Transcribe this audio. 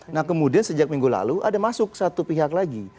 nah kemudian sejak minggu lalu ada masuk satu pihak lagi